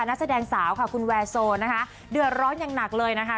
นักแสดงสาวค่ะคุณแวร์โซนะคะเดือดร้อนอย่างหนักเลยนะคะ